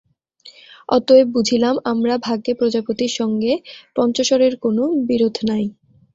অতএব বুঝিলাম, আমরা ভাগ্যে প্রজাপতির সঙ্গে পঞ্চশরের কোনো বিরোধ নাই।